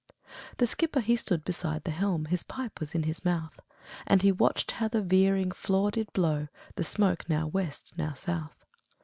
The skipper he stood beside the helm, His pipe was in his mouth, And he watched how the veering flaw did blow The smoke now West, now South.